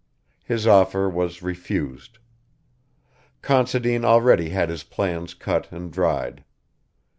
His offer was refused. Considine already had his plans cut and dried.